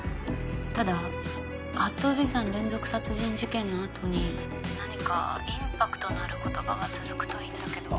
ただ八頭尾山連続殺人事件のあとに何かインパクトのある言葉が続くといいんだけど。